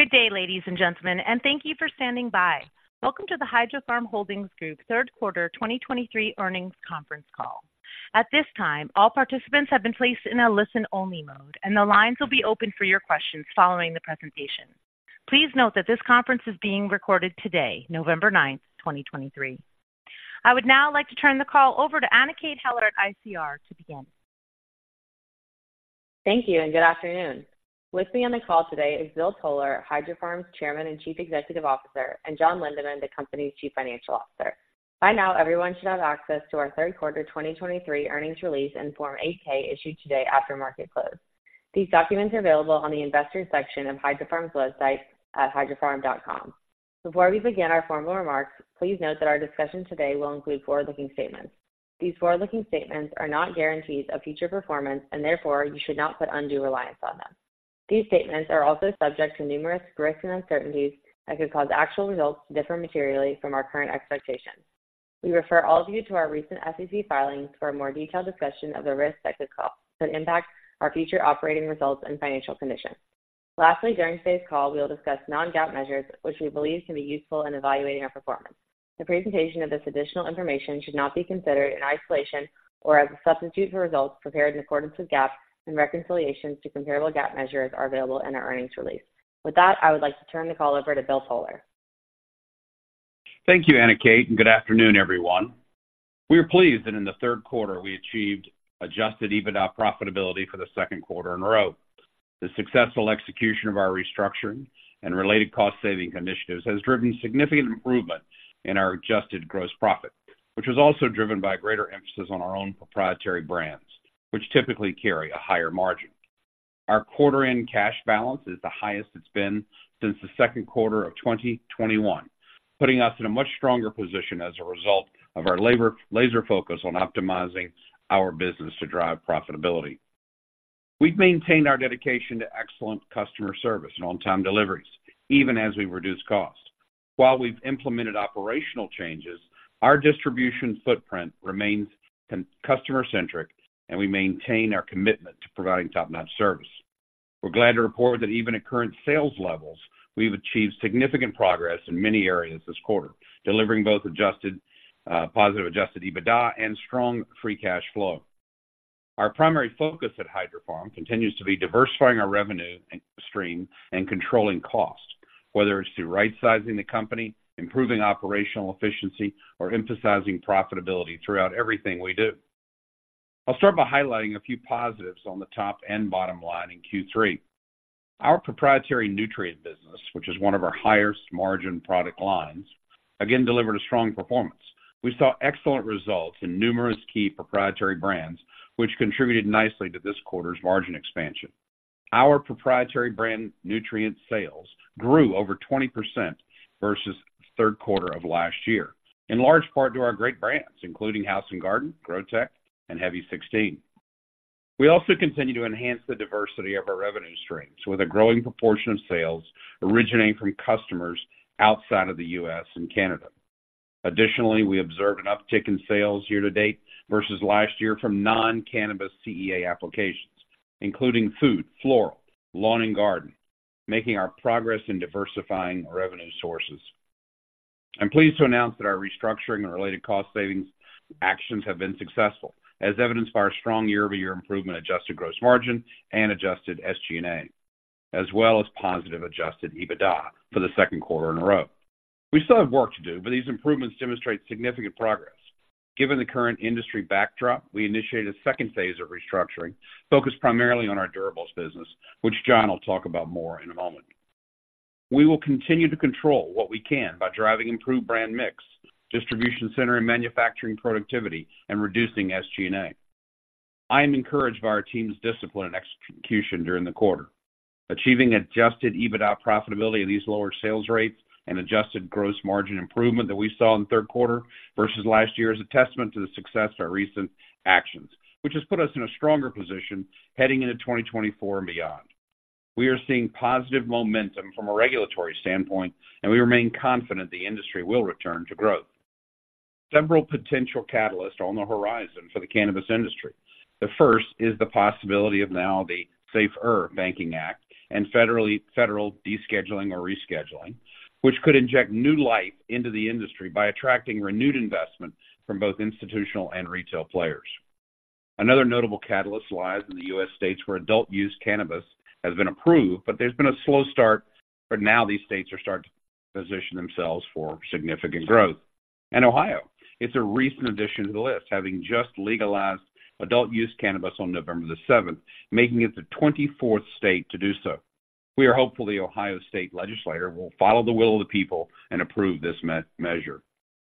Good day, ladies and gentlemen, and thank you for standing by. Welcome to the Hydrofarm Holdings Group third quarter 2023 earnings conference call. At this time, all participants have been placed in a listen-only mode, and the lines will be open for your questions following the presentation. Please note that this conference is being recorded today, November 9, 2023. I would now like to turn the call over to Anna Kate Heller at ICR to begin. Thank you and good afternoon. With me on the call today is Bill Toler, Hydrofarm's Chairman and Chief Executive Officer, and John Lindeman, the company's Chief Financial Officer. By now, everyone should have access to our third quarter 2023 earnings release in Form 8-K, issued today after market close. These documents are available on the investors section of Hydrofarm's website at hydrofarm.com. Before we begin our formal remarks, please note that our discussion today will include forward-looking statements. These forward-looking statements are not guarantees of future performance, and therefore you should not put undue reliance on them. These statements are also subject to numerous risks and uncertainties that could cause actual results to differ materially from our current expectations. We refer all of you to our recent SEC filings for a more detailed discussion of the risks that could impact our future operating results and financial conditions. Lastly, during today's call, we will discuss non-GAAP measures, which we believe can be useful in evaluating our performance. The presentation of this additional information should not be considered in isolation or as a substitute for results prepared in accordance with GAAP, and reconciliations to comparable GAAP measures are available in our earnings release. With that, I would like to turn the call over to Bill Toler. Thank you, Anna Kate, and good afternoon, everyone. We are pleased that in the third quarter, we achieved adjusted EBITDA profitability for the second quarter in a row. The successful execution of our restructuring and related cost-saving initiatives has driven significant improvement in our adjusted gross profit, which was also driven by greater emphasis on our own Proprietary Brands, which typically carry a higher margin. Our quarter-end cash balance is the highest it's been since the second quarter of 2021, putting us in a much stronger position as a result of our laser focus on optimizing our business to drive profitability. We've maintained our dedication to excellent customer service and on-time deliveries, even as we reduce costs. While we've implemented operational changes, our distribution footprint remains customer-centric, and we maintain our commitment to providing top-notch service. We're glad to report that even at current sales levels, we've achieved significant progress in many areas this quarter, delivering both adjusted, positive adjusted EBITDA and strong free cash flow. Our primary focus at Hydrofarm continues to be diversifying our revenue and stream and controlling costs, whether it's through right-sizing the company, improving operational efficiency, or emphasizing profitability throughout everything we do. I'll start by highlighting a few positives on the top and bottom line in Q3. Our proprietary nutrient business, which is one of our highest margin product lines, again, delivered a strong performance. We saw excellent results in numerous key proprietary brands, which contributed nicely to this quarter's margin expansion. Our proprietary brand nutrient sales grew over 20% versus the third quarter of last year, in large part to our great brands, including House & Garden, Grotek, and Heavy 16. We also continue to enhance the diversity of our revenue streams, with a growing proportion of sales originating from customers outside of the U.S. and Canada. Additionally, we observed an uptick in sales year-to-date versus last year from non-cannabis CEA applications, including food, floral, lawn, and garden, making our progress in diversifying our revenue sources. I'm pleased to announce that our restructuring and related cost savings actions have been successful, as evidenced by our strong year-over-year improvement adjusted gross margin and adjusted SG&A, as well as positive adjusted EBITDA for the second quarter in a row. We still have work to do, but these improvements demonstrate significant progress. Given the current industry backdrop, we initiated a second phase of restructuring, focused primarily on our durables business, which John will talk about more in a moment. We will continue to control what we can by driving improved brand mix, distribution center and manufacturing productivity, and reducing SG&A. I am encouraged by our team's discipline and execution during the quarter. Achieving adjusted EBITDA profitability at these lower sales rates and adjusted gross margin improvement that we saw in the third quarter versus last year is a testament to the success of our recent actions, which has put us in a stronger position heading into 2024 and beyond. We are seeing positive momentum from a regulatory standpoint, and we remain confident the industry will return to growth. Several potential catalysts are on the horizon for the cannabis industry. The first is the possibility of now the SAFE Banking Act and federal descheduling or rescheduling, which could inject new life into the industry by attracting renewed investment from both institutional and retail players. Another notable catalyst lies in the U.S. states where adult-use cannabis has been approved, but there's been a slow start, but now these states are starting to position themselves for significant growth. Ohio, it's a recent addition to the list, having just legalized adult-use cannabis on November the seventh, making it the 24th state to do so. We are hopeful the Ohio state legislature will follow the will of the people and approve this measure.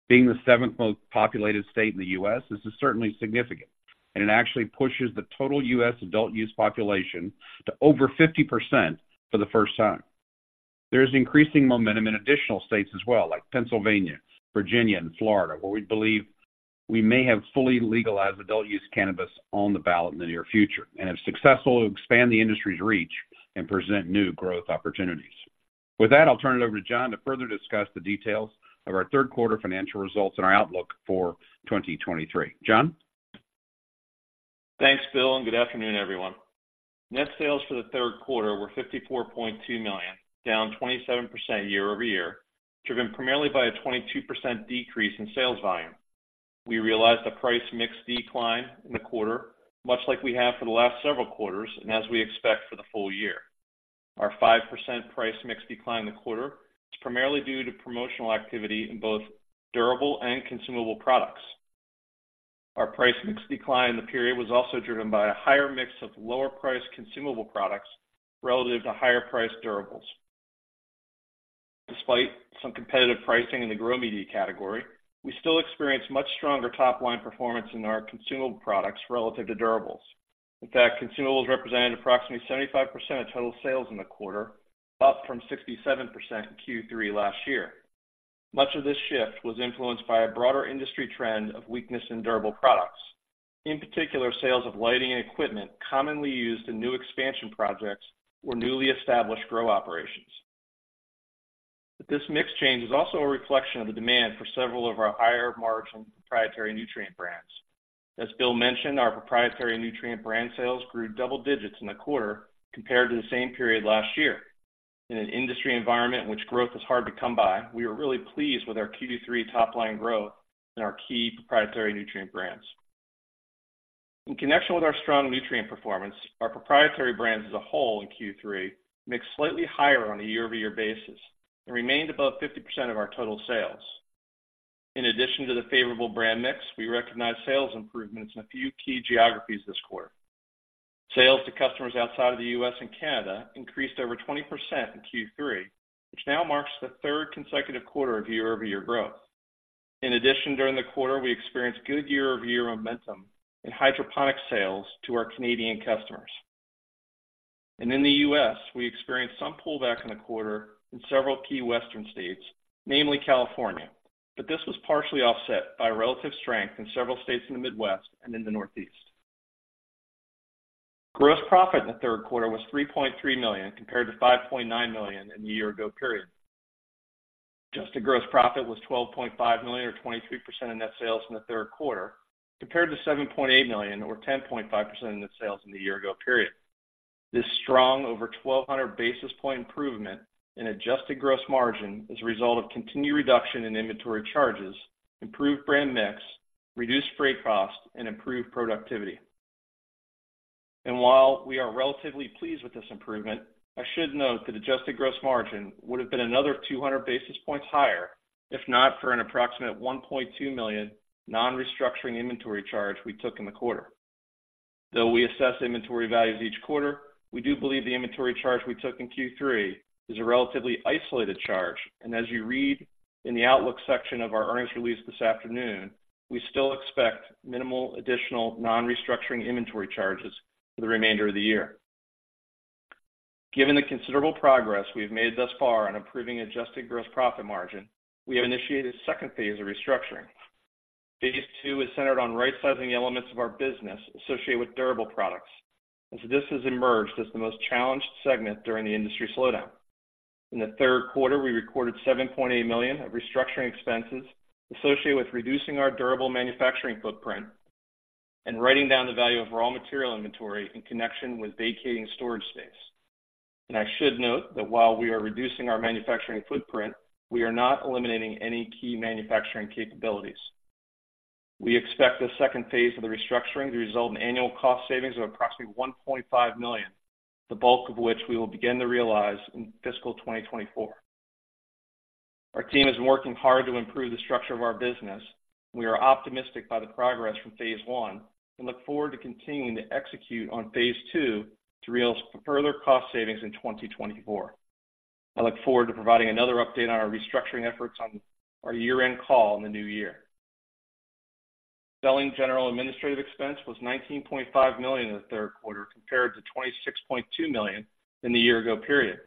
Being the 7th most populated state in the U.S., this is certainly significant, and it actually pushes the total U.S. adult-use population to over 50% for the first time. There is increasing momentum in additional states as well, like Pennsylvania, Virginia, and Florida, where we believe we may have fully legalized adult use cannabis on the ballot in the near future, and if successful, it will expand the industry's reach and present new growth opportunities. With that, I'll turn it over to John to further discuss the details of our third quarter financial results and our outlook for 2023. John? Thanks, Bill, and good afternoon, everyone. Net sales for the third quarter were $54.2 million, down 27% year-over-year, driven primarily by a 22% decrease in sales volume. We realized a price mix decline in the quarter, much like we have for the last several quarters, and as we expect for the full year. Our 5% price mix decline in the quarter is primarily due to promotional activity in both durable and consumable products. Our price mix decline in the period was also driven by a higher mix of lower-priced consumable products relative to higher-priced durables. Despite some competitive pricing in the grow media category, we still experienced much stronger top-line performance in our consumable products relative to durables. In fact, consumables represented approximately 75% of total sales in the quarter, up from 67% in Q3 last year. Much of this shift was influenced by a broader industry trend of weakness in durable products. In particular, sales of lighting and equipment commonly used in new expansion projects or newly established grow operations. But this mix change is also a reflection of the demand for several of our higher-margin proprietary nutrient brands. As Bill mentioned, our proprietary nutrient brand sales grew double digits in the quarter compared to the same period last year. In an industry environment in which growth is hard to come by, we are really pleased with our Q3 top-line growth in our key proprietary nutrient brands. In connection with our strong nutrient performance, our proprietary brands as a whole in Q3 mixed slightly higher on a year-over-year basis and remained above 50% of our total sales. In addition to the favorable brand mix, we recognized sales improvements in a few key geographies this quarter. Sales to customers outside of the U.S. and Canada increased over 20% in Q3, which now marks the third consecutive quarter of year-over-year growth. In addition, during the quarter, we experienced good year-over-year momentum in hydroponic sales to our Canadian customers. In the U.S., we experienced some pullback in the quarter in several key Western states, namely California, but this was partially offset by relative strength in several states in the Midwest and in the Northeast. Gross profit in the third quarter was $3.3 million, compared to $5.9 million in the year ago period. Adjusted gross profit was $12.5 million, or 23% of net sales in the third quarter, compared to $7.8 million, or 10.5% of net sales in the year ago period. This strong over 1,200 basis point improvement in adjusted gross margin is a result of continued reduction in inventory charges, improved brand mix, reduced freight costs, and improved productivity. While we are relatively pleased with this improvement, I should note that adjusted gross margin would have been another 200 basis points higher, if not for an approximate $1.2 million non-restructuring inventory charge we took in the quarter. Though we assess inventory values each quarter, we do believe the inventory charge we took in Q3 is a relatively isolated charge, and as you read in the Outlook section of our earnings release this afternoon, we still expect minimal additional non-restructuring inventory charges for the remainder of the year. Given the considerable progress we've made thus far on improving adjusted gross profit margin, we have initiated a second phase of restructuring. Phase two is centered on right-sizing elements of our business associated with durable products, as this has emerged as the most challenged segment during the industry slowdown. In the third quarter, we recorded $7.8 million of restructuring expenses associated with reducing our durable manufacturing footprint and writing down the value of raw material inventory in connection with vacating storage space. I should note that while we are reducing our manufacturing footprint, we are not eliminating any key manufacturing capabilities. We expect the second phase of the restructuring to result in annual cost savings of approximately $1.5 million, the bulk of which we will begin to realize in fiscal 2024. Our team is working hard to improve the structure of our business. We are optimistic by the progress from phase one and look forward to continuing to execute on phase two to realize further cost savings in 2024. I look forward to providing another update on our restructuring efforts on our year-end call in the new year. Selling general administrative expense was $19.5 million in the third quarter, compared to $26.2 million in the year ago period.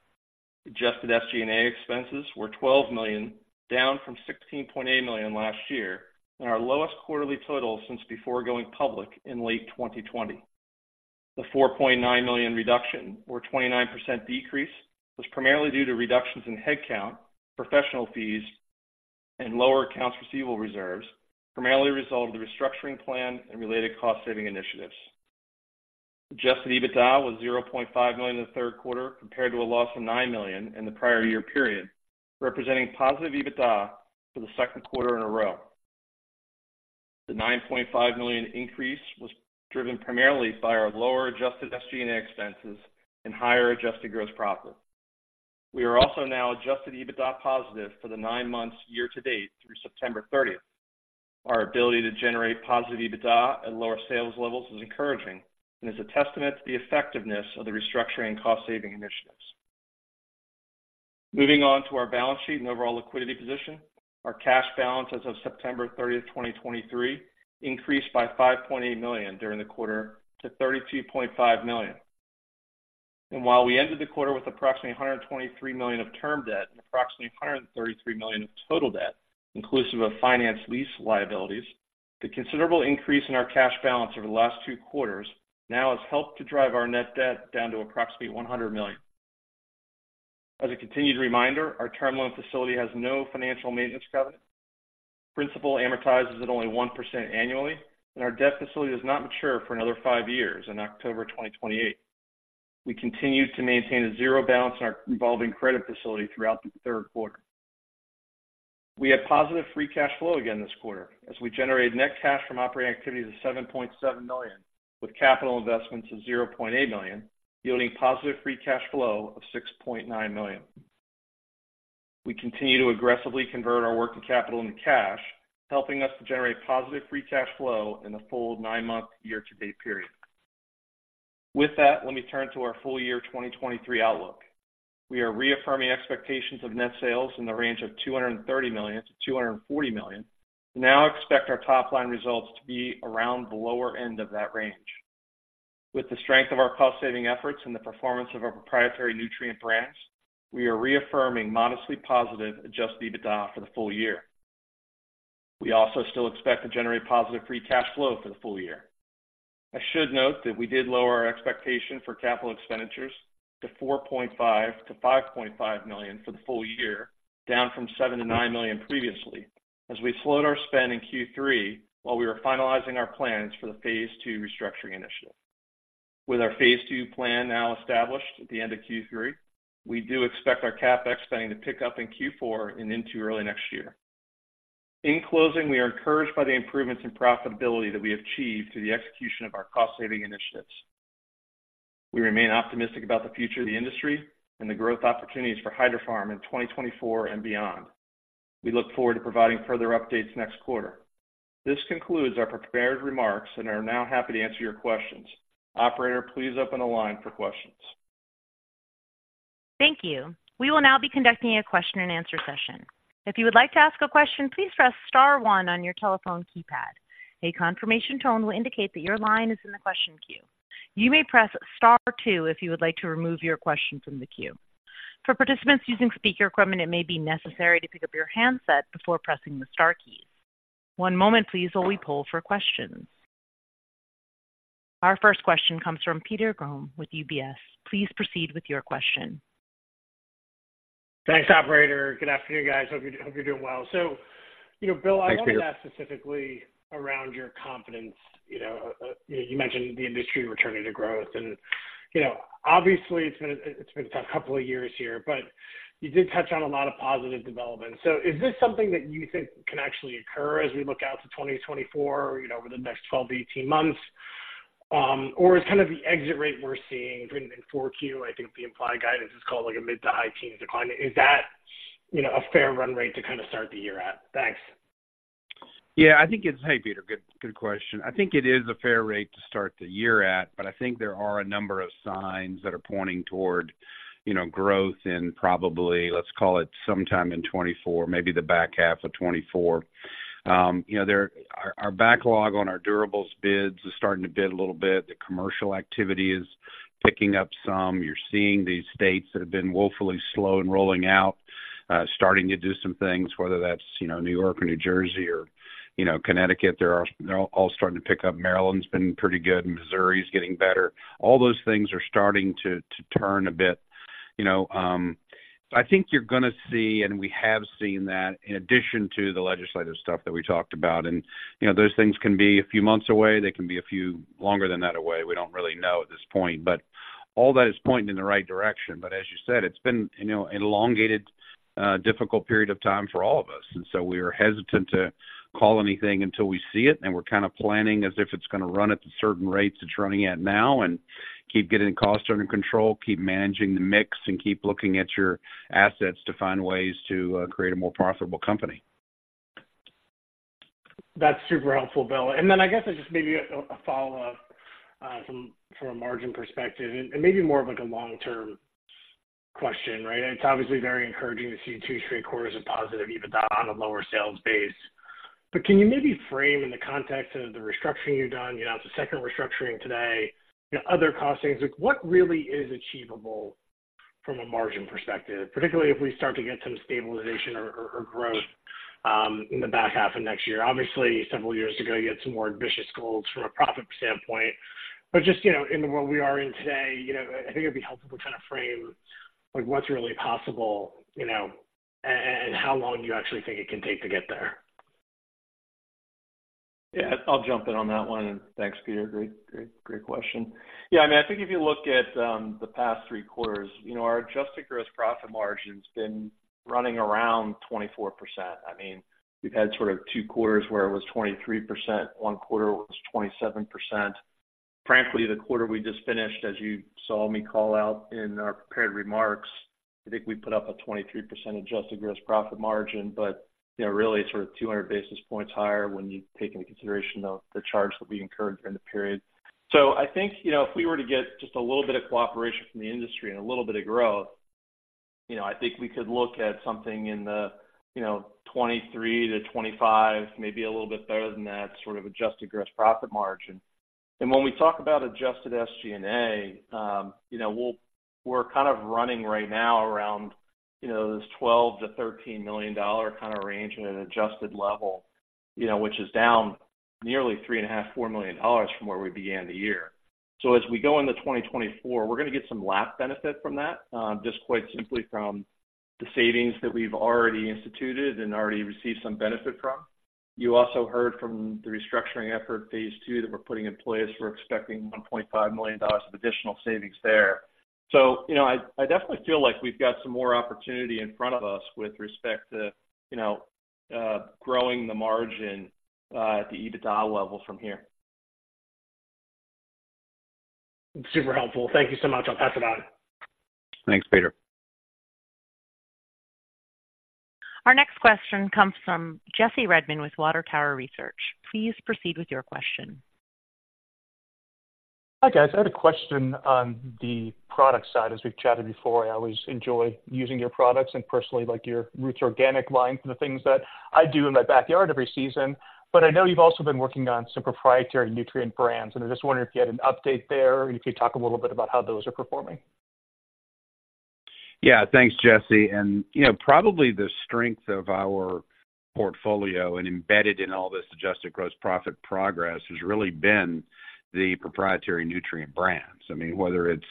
Adjusted SG&A expenses were $12 million, down from $16.8 million last year, and our lowest quarterly total since before going public in late 2020. The $4.9 million reduction, or 29% decrease, was primarily due to reductions in headcount, professional fees, and lower accounts receivable reserves, primarily a result of the restructuring plan and related cost-saving initiatives. Adjusted EBITDA was $0.5 million in the third quarter, compared to a loss of $9 million in the prior year period, representing positive EBITDA for the second quarter in a row. The $9.5 million increase was driven primarily by our lower adjusted SG&A expenses and higher adjusted gross profit. We are also now adjusted EBITDA positive for the nine months year-to-date through September 30. Our ability to generate positive EBITDA at lower sales levels is encouraging and is a testament to the effectiveness of the restructuring and cost-saving initiatives. Moving on to our balance sheet and overall liquidity position. Our cash balance as of September 30, 2023, increased by $5.8 million during the quarter to $32.5 million. While we ended the quarter with approximately $123 million of term debt and approximately $133 million of total debt, inclusive of finance lease liabilities, the considerable increase in our cash balance over the last two quarters now has helped to drive our net debt down to approximately $100 million. As a continued reminder, our term loan facility has no financial maintenance covenants. Principal amortizes at only 1% annually, and our debt facility does not mature for another five years in October 2028. We continued to maintain a 0 balance in our revolving credit facility throughout the third quarter. We had positive free cash flow again this quarter, as we generated net cash from operating activities of $7.7 million, with capital investments of $0.8 million, yielding positive free cash flow of $6.9 million. We continue to aggressively convert our working capital into cash, helping us to generate positive Free Cash Flow in the full nine-month year-to-date period. With that, let me turn to our full year 2023 outlook. We are reaffirming expectations of net sales in the range of $230 million-$240 million, and now expect our top-line results to be around the lower end of that range. With the strength of our cost-saving efforts and the performance of our proprietary nutrient brands, we are reaffirming modestly positive adjusted EBITDA for the full year. We also still expect to generate positive Free Cash Flow for the full year. I should note that we did lower our expectation for capital expenditures to $4.5 million-$5.5 million for the full year, down from $7 million-$9 million previously, as we slowed our spend in Q3 while we were finalizing our plans for the phase two restructuring initiative. With our phase two plan now established at the end of Q3, we do expect our CapEx spending to pick up in Q4 and into early next year. In closing, we are encouraged by the improvements in profitability that we achieved through the execution of our cost-saving initiatives. We remain optimistic about the future of the industry and the growth opportunities for Hydrofarm in 2024 and beyond. We look forward to providing further updates next quarter. This concludes our prepared remarks and are now happy to answer your questions. Operator, please open the line for questions. Thank you. We will now be conducting a question-and-answer session. If you would like to ask a question, please press star one on your telephone keypad. A confirmation tone will indicate that your line is in the question queue. You may press star two if you would like to remove your question from the queue. For participants using speaker equipment, it may be necessary to pick up your handset before pressing the star keys. One moment please, while we poll for questions. Our first question comes from Peter Grom with UBS. Please proceed with your question. Thanks, operator. Good afternoon, guys. Hope you're doing well. So, you know, Bill- Thanks, Peter. I want to ask specifically around your confidence. You know, you mentioned the industry returning to growth, and, you know, obviously, it's been, it's been a tough couple of years here, but you did touch on a lot of positive developments. So is this something that you think can actually occur as we look out to 2024, you know, over the next 12-18 months? Or is kind of the exit rate we're seeing in 4Q, I think the implied guidance is called, like, a mid- to high-teens decline. Is that, you know, a fair run rate to kind of start the year at? Thanks. Yeah, I think it's... Hey, Peter, good, good question. I think it is a fair rate to start the year at, but I think there are a number of signs that are pointing toward, you know, growth in probably, let's call it sometime in 2024, maybe the back half of 2024. You know, there, our, our backlog on our durables bids is starting to bid a little bit. The commercial activity is picking up some. You're seeing these states that have been woefully slow in rolling out, starting to do some things, whether that's, you know, New York or New Jersey or, you know, Connecticut. They're all, they're all starting to pick up. Maryland's been pretty good, and Missouri is getting better. All those things are starting to, to turn a bit. You know, I think you're gonna see, and we have seen that in addition to the legislative stuff that we talked about, and, you know, those things can be a few months away. They can be a few longer than that away. We don't really know at this point, but all that is pointing in the right direction. But as you said, it's been, you know, an elongated, difficult period of time for all of us. And so we are hesitant to call anything until we see it, and we're kind of planning as if it's gonna run at the certain rates it's running at now and keep getting costs under control, keep managing the mix, and keep looking at your assets to find ways to, create a more profitable company. That's super helpful, Bill. And then I guess just maybe a follow-up from a margin perspective and maybe more of, like, a long-term question, right? It's obviously very encouraging to see two straight quarters of positive EBITDA on a lower sales base. But can you maybe frame in the context of the restructuring you've done? You know, it's the second restructuring today, other cost savings. What really is achievable from a margin perspective, particularly if we start to get some stabilization or growth in the back half of next year? Obviously, several years ago, you had some more ambitious goals from a profit standpoint, but just, you know, in the world we are in today, you know, I think it'd be helpful to kind of frame, like, what's really possible, you know, and how long do you actually think it can take to get there? Yeah, I'll jump in on that one. And thanks, Peter. Great, great, great question. Yeah, I mean, I think if you look at the past three quarters, you know, our adjusted gross profit margin has been running around 24%. I mean, we've had sort of two quarters where it was 23%, one quarter was 27%. Frankly, the quarter we just finished, as you saw me call out in our prepared remarks, I think we put up a 23% adjusted gross profit margin, but, you know, really sort of 200 basis points higher when you take into consideration the charge that we incurred during the period. So I think, you know, if we were to get just a little bit of cooperation from the industry and a little bit of growth, you know, I think we could look at something in the, you know, 23%-25%, maybe a little bit better than that, sort of adjusted gross profit margin. And when we talk about adjusted SG&A, you know, we're kind of running right now around, you know, this $12 million-$13 million kind of range in an adjusted level, you know, which is down nearly $3.5 million-$4 million from where we began the year. So as we go into 2024, we're going to get some lap benefit from that, just quite simply from the savings that we've already instituted and already received some benefit from. You also heard from the restructuring effort, phase two, that we're putting in place. We're expecting $1.5 million of additional savings there. So, you know, I definitely feel like we've got some more opportunity in front of us with respect to, you know, growing the margin at the EBITDA level from here. Super helpful. Thank you so much. I'll pass it on. Thanks, Peter. Our next question comes from Jesse Redmond with Water Tower Research. Please proceed with your question. Hi, guys. I had a question on the product side. As we've chatted before, I always enjoy using your products and personally like your Roots Organics line for the things that I do in my backyard every season. But I know you've also been working on some proprietary nutrient brands, and I just wondered if you had an update there, or you could talk a little bit about how those are performing. Yeah, thanks, Jesse. You know, probably the strength of our portfolio and embedded in all this adjusted gross profit progress has really been the proprietary nutrient brands. I mean, whether it's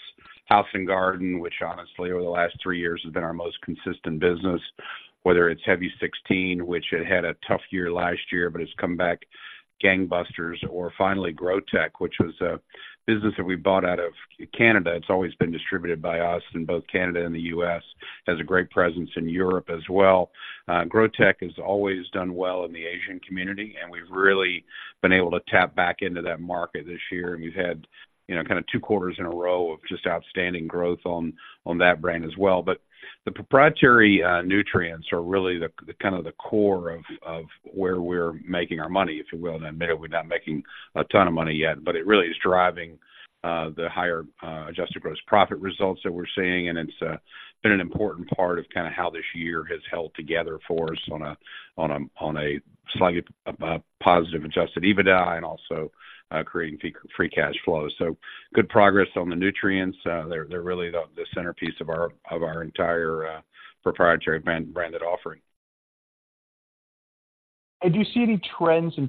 House & Garden, which honestly, over the last three years has been our most consistent business, whether it's Heavy 16, which it had a tough year last year, but it's come back gangbusters, or finally Grotek, which was a business that we bought out of Canada. It's always been distributed by us in both Canada and the U.S. Has a great presence in Europe as well. Grotek has always done well in the Asian community, and we've really been able to tap back into that market this year. And we've had, you know, kind of two quarters in a row of just outstanding growth on that brand as well. But the proprietary nutrients are really the kind of core of where we're making our money, if you will. And admittedly, we're not making a ton of money yet, but it really is driving the higher adjusted gross profit results that we're seeing. And it's been an important part of kind of how this year has held together for us on a slightly positive adjusted EBITDA and also creating Free Cash Flow. So good progress on the nutrients. They're really the centerpiece of our entire proprietary branded offering. Do you see any trends in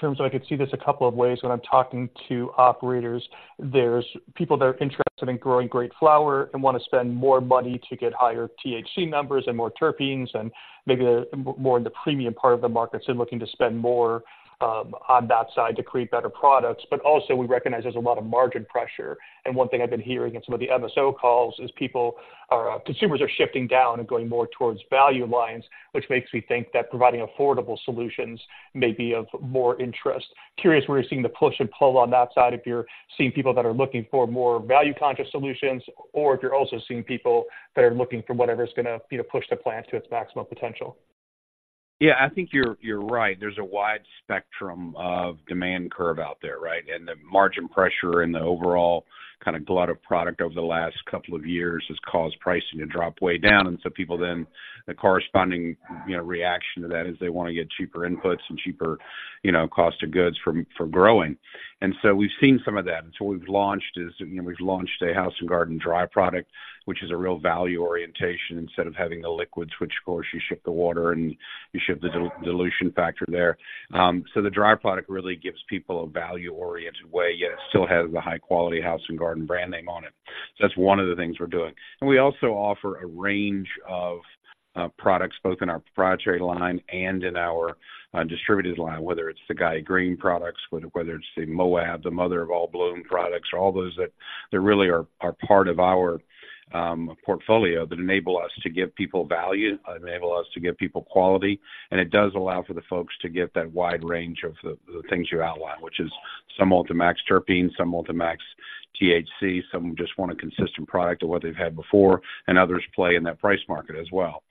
terms... I could see this a couple of ways when I'm talking to operators. There's people that are interested in growing great flower and want to spend more money to get higher THC numbers and more terpenes, and maybe they're more in the premium part of the markets and looking to spend more, on that side to create better products. But also we recognize there's a lot of margin pressure. And one thing I've been hearing in some of the MSO calls is people or consumers are shifting down and going more towards value lines, which makes me think that providing affordable solutions may be of more interest. Curious where you're seeing the push and pull on that side, if you're seeing people that are looking for more value-conscious solutions, or if you're also seeing people that are looking for whatever is going to, you know, push the plant to its maximum potential? Yeah, I think you're, you're right. There's a wide spectrum of demand curve out there, right? And the margin pressure and the overall kind of glut of product over the last couple of years has caused pricing to drop way down. And so people then, the corresponding, you know, reaction to that is they want to get cheaper inputs and cheaper, you know, cost of goods for, for growing. And so we've seen some of that. And so we've launched, you know, we've launched a House and Garden dry product, which is a real value orientation, instead of having the liquids, which of course, you ship the water and you ship the de-dilution factor there. So the dry product really gives people a value-oriented way, yet it still has the high-quality House and Garden brand name on it. That's one of the things we're doing. And we also offer a range of products, both in our proprietary line and in our distributed line, whether it's the Gaia Green products, whether it's the MOAB, the Mother of All Bloom products, or all those that they really are part of our portfolio that enable us to give people value, enable us to give people quality. And it does allow for the folks to get that wide range of the things you outlined, which is some want to max terpenes, some want to max THC, some just want a consistent product of what they've had before, and others play in that price market as well.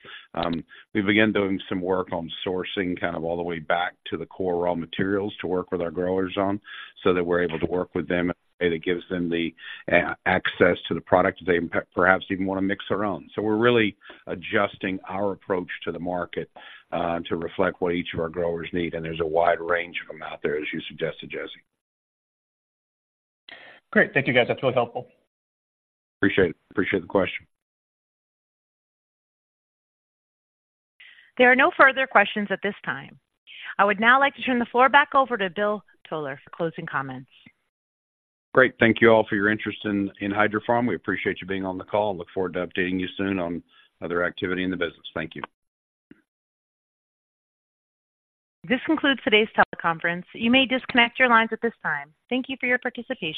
We began doing some work on sourcing, kind of all the way back to the core raw materials to work with our growers on, so that we're able to work with them, and it gives them the access to the product. They perhaps even want to mix their own. So we're really adjusting our approach to the market, to reflect what each of our growers need, and there's a wide range of them out there, as you suggested, Jesse. Great. Thank you, guys. That's really helpful. Appreciate it. Appreciate the question. There are no further questions at this time. I would now like to turn the floor back over to Bill Toler for closing comments. Great. Thank you all for your interest in Hydrofarm. We appreciate you being on the call and look forward to updating you soon on other activity in the business. Thank you. This concludes today's teleconference. You may disconnect your lines at this time. Thank you for your participation.